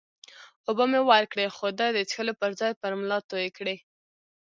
اوبه مې ورکړې، خو ده د څښلو پر ځای پر ملا توی کړې.